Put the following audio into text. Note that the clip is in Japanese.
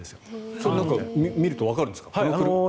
それは見るとわかるんですか？